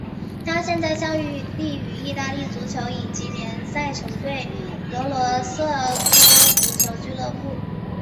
他现在效力于意大利足球乙级联赛球队格罗瑟托足球俱乐部。